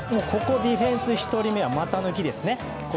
ディフェンス１人目は股抜きですね。